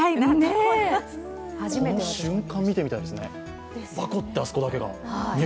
この瞬間を見てみたいですね、バコッとあそこだけが。